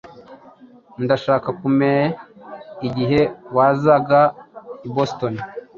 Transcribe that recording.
Ndashaka kumea igihe wazaga i Boston.